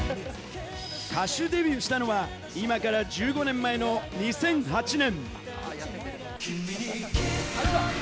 歌手デビューしたのは今から１５年前の２００８年。